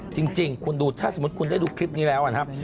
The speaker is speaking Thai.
จริงคุณดูถ้าสมมุติคุณได้ดูคลิปนี้แล้วนะครับ